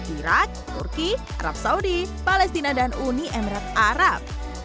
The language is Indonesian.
irak turki arab saudi palestina dan uni emirat arab